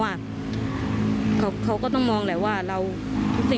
เหตุการณ์เกิดขึ้นแถวคลองแปดลำลูกกา